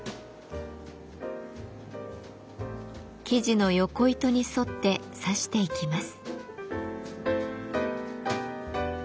生地の横糸に沿って刺していきます。